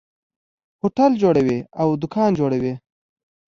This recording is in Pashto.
هوټل جوړوي او دکان جوړوي.